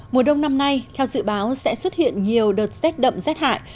mùa đông năm nay theo dự báo sẽ xuất hiện nhiều đợt xét đậm xét hại